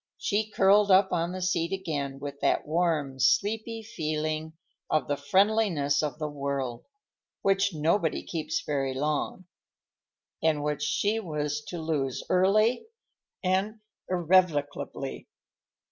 She curled up on the seat again with that warm, sleepy feeling of the friendliness of the world—which nobody keeps very long, and which she was to lose early and irrevocably.